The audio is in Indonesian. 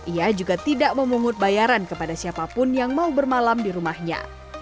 ia juga tidak memungut bayaran kepada siapapun yang mau bermalam di rumahnya